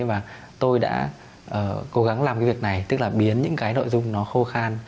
và tôi đã cố gắng làm cái việc này tức là biến những cái nội dung nó khô khan